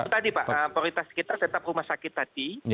tadi pak prioritas kita tetap rumah sakit tadi